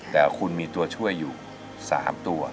แต่คุณมีตัวช่วยอยู่๓ตัว